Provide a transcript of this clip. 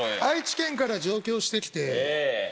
愛知県から上京してきてええ